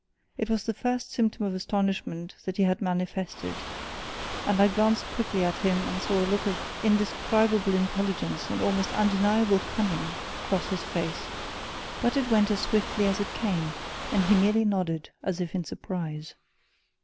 It was the first symptom of astonishment that he had manifested, and I glanced quickly at him and saw a look of indescribable intelligence and almost undeniable cunning cross his face. But it went as swiftly as it came, and he merely nodded, as if in surprise.